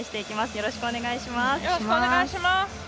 よろしくお願いします。